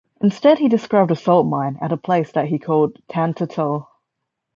Instead he described a salt mine at a place that he called 'Tatantal'.